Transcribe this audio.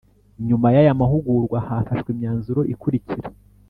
Nyuma y aya mahugurwa hafashwe imyanzuro ikurikira